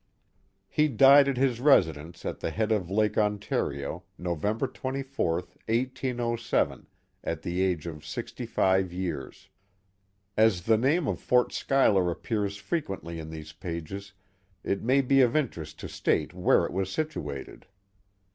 He died at his residence at the head of Lake Ontario, November 24, 1807, at the age of sixty five years. As the name of Fort Schuyler appears frequently in these pages, it may be of interest to state where it was situated.